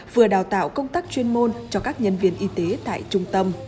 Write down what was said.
vừa đào tạo công tác chuyên môn cho các nhân viên y tế tại trung tâm